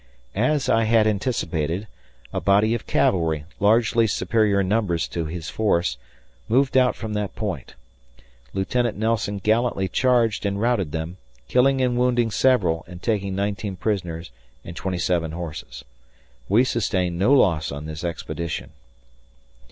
As I had anticipated, a body of cavalry, largely superior in numbers to his force, moved out from that point. Lieutenant Nelson gallantly charged and routed them, killing and wounding several and taking 19 prisoners and 27 horses. We sustained no loss on this expedition.